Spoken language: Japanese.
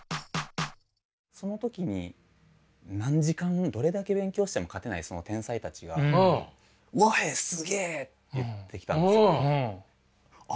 その時に何時間どれだけ勉強しても勝てないその天才たちが「和平すげえ！」って言ってきたんです。